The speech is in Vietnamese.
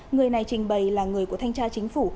người này trình bày là người của thanh tra chính phủ